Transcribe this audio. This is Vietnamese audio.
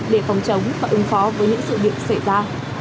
để phòng chống và ứng phó với những sự việc xảy ra